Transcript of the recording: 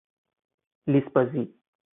لیس بازی